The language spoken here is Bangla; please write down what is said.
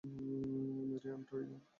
Mary Ontario.